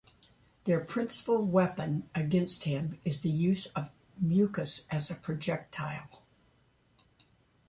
Their principal weapon against him, is the use of mucus as a projectile.